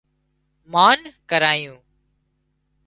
مانه کارايون